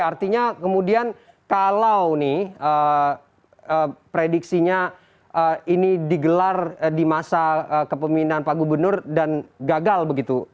artinya kemudian kalau nih prediksinya ini digelar di masa kepemimpinan pak gubernur dan gagal begitu